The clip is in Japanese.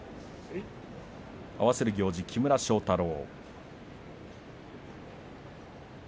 合わせる行司、木村庄太郎。